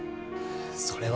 それは。